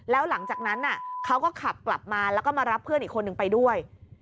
แล้วหลังจากนั้นเขาก็ขับกลับมาแล้วก็มารับเพื่อนอีกคนนึงไปด้วย